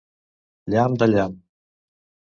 Llamp de llamp!